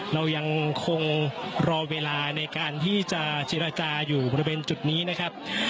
เรายังคงรอเวลาในการที่จะเจรจาอยู่บริเวณจุดนี้นะครับ